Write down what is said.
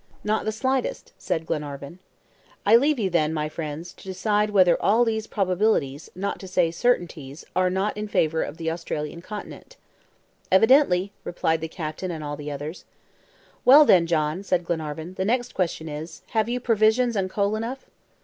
"Not the slightest," said Glenarvan. "I leave you, then, my friends, to decide whether all these probabilities, not to say certainties, are not in favor of the Australian continent." "Evidently," replied the captain and all the others. "Well, then, John," said Glenarvan, "the next question is, have you provisions and coal enough?"